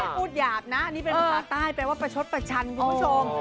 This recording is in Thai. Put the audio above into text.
พูดหยาบนะนี่เป็นภาษาใต้แปลว่าประชดประชันคุณผู้ชม